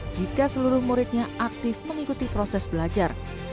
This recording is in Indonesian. jika seluruh muridnya aktif mengikuti proses belajar